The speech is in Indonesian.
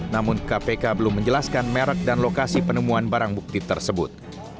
namun kpk belum menjelaskan merek dan lokasi penemuan barang bukti tersebut